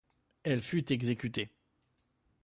Elle fut exécutée.